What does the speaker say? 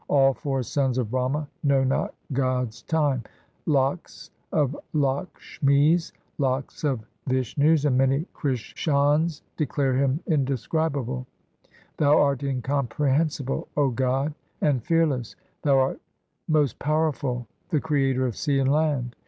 All four sons of Brahma know not God's time. Lakhs of Lakshmis, lakhs of Vishnus, and many Krishans declare Him indescribable. Thou art incomprehensible, O God, and fearless ; Thou art most powerful, the Creator of sea and land.